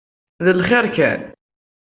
D lxiṛ kan?